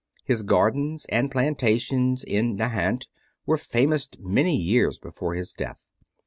His gardens and plantations in Nahant were famous many years before his death.